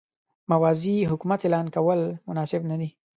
موازي حکومت اعلان کول مناسب نه دي.